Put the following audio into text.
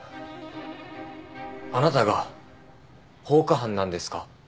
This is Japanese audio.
あなたが放火犯なんですか？